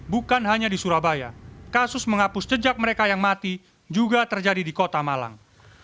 bukan hanya di surabaya kasus menghapus jejak mereka yang mati juga terjadi di kota malang